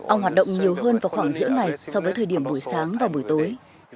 ong hoạt động nhiều hơn vào khoảng giữa ngày so với thời điểm buổi sáng và buổi tối